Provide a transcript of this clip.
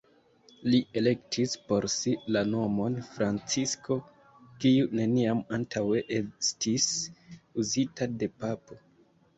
Li elektis por si la nomon Francisko, kiu neniam antaŭe estis uzita de papo.